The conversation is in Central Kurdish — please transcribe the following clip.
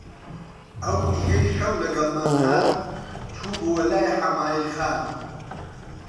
ئەو کیژەی شەو لەگەڵمان هات، چووبووە لای حەمایل خان